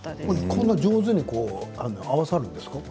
こんなに上手に合わさるんですか？